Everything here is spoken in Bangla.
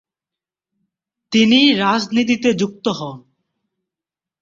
তিনি রাজনীতিতে যুক্ত হন।